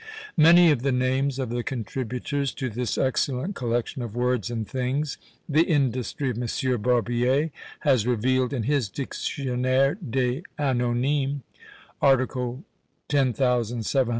Many of the names of the contributors to this excellent collection of words and things, the industry of Monsieur Barbier has revealed in his "Dictionnaire des Anonymes," art.